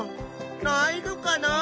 ないのかな？